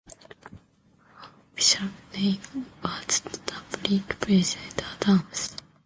Her official name was the Brig "President Adams".